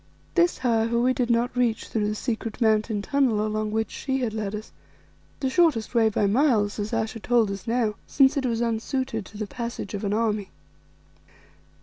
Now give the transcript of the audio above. This, however, we did not reach through the secret mountain tunnel along which she had led us, the shortest way by miles, as Ayesha told us now, since it was unsuited to the passage of an army.